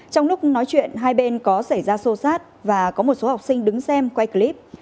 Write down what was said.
trong lúc nói chuyện hai bên có xảy ra xô xát và có một số học sinh đứng xem quay clip